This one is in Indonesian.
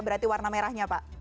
berarti warna merahnya pak